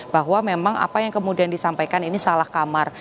bahwa memang apa yang kemudian disampaikan ini salah kamar